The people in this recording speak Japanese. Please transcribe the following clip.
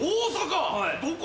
どこ？